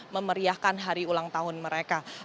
memeriahkan hari ulang tahun mereka